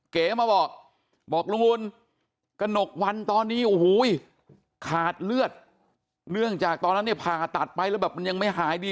เก๋มาบอกบอกลุงอุ่นกระหนกวันตอนนี้โอ้โหขาดเลือดเนื่องจากตอนนั้นเนี่ยผ่าตัดไปแล้วแบบมันยังไม่หายดี